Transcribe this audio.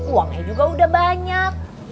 uangnya juga udah banyak